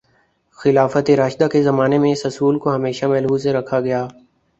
خلافتِ راشدہ کے زمانے میں اس اصول کو ہمیشہ ملحوظ رکھا گیا